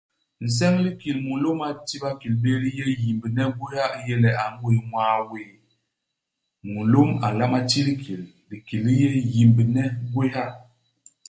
Nseñ u likil mulôm a nti bakil béé li yé yimbene i gwéha a ngwés ñwaa wéé. Mulôm a nlama ti likil. Likil li yé yimbne i gwéha.